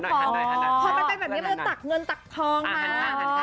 พอมันเป็นแบบนี้มันจะตักเงินตักทองมา